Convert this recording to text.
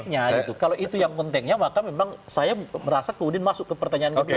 nah kalau itu yang konteknya maka memang saya merasa kemudian masuk ke pertanyaan kedua